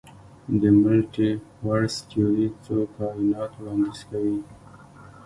د ملټي ورس تیوري څو کائنات وړاندیز کوي.